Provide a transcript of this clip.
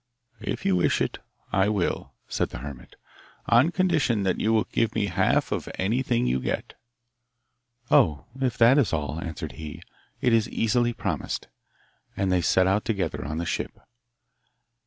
'If you wish it, I will,' said the hermit, 'on condition that you will give me half of anything you get.' 'Oh, if that is all,' answered he, 'it is easily promised!' And they set out together on the ship.